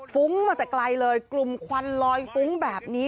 ฟุ้งมาแต่ไกลเลยกลุ่มควันลอยฟุ้งแบบนี้